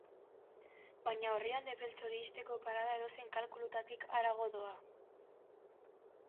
Baina orrialde beltz hori ixteko parada edozein kalkulutatik harago doa.